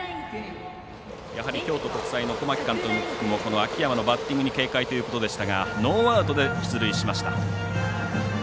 やはり京都国際の小牧監督も、秋山のバッティングに警戒ということでしたがノーアウトで出塁しました。